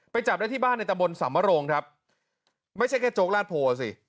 จับได้ที่บ้านในตะบนสำโรงครับไม่ใช่แค่โจ๊กลาดโพสิ